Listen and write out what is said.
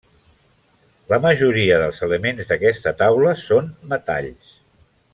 La majoria dels elements d'aquesta taula són metalls.